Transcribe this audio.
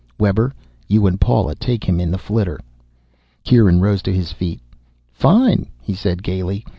Webber, you and Paula take him in the flitter." Kieran rose to his feet. "Fine," he said gaily.